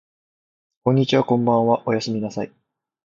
こんにちはこんばんはおやすみなさい